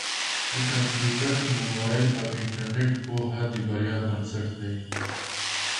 د کمپیوټر، مبایل او انټرنېټ پوهه د بریا بنسټ دی.